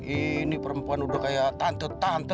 ini perempuan udah kayak tante tante